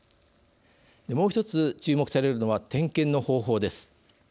もう一つ注目されるのは点検の方法です。